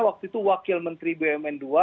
waktu itu wakil menteri bumn ii